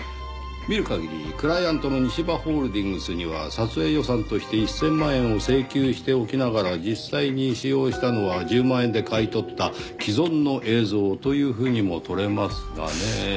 見る限りクライアントの西葉ホールディングスには撮影予算として１０００万円を請求しておきながら実際に使用したのは１０万円で買い取った既存の映像というふうにもとれますがねぇ。